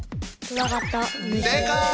正解！